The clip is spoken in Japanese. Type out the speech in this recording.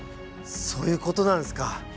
そういうことなんですか。